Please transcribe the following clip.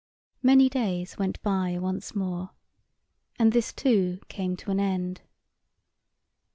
Many days went by once more, and this, too, came to an end.